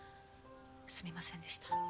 すみませんでした。